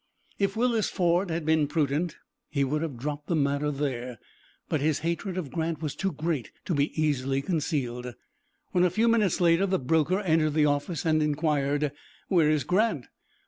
If Willis Ford had been prudent he would have dropped the matter there, but his hatred of Grant was too great to be easily concealed. When a few minutes later the broker entered the office and inquired, "Where is Grant?"